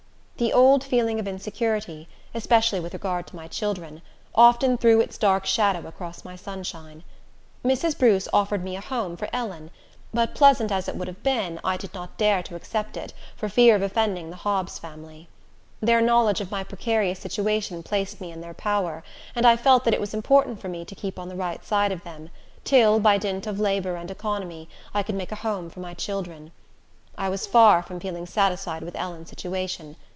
The old feeling of insecurity, especially with regard to my children, often threw its dark shadow across my sunshine. Mrs. Bruce offered me a home for Ellen; but pleasant as it would have been, I did not dare to accept it, for fear of offending the Hobbs family. Their knowledge of my precarious situation placed me in their power; and I felt that it was important for me to keep on the right side of them, till, by dint of labor and economy, I could make a home for my children. I was far from feeling satisfied with Ellen's situation.